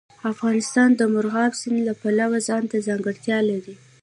افغانستان د مورغاب سیند له پلوه ځانته ځانګړتیا لري.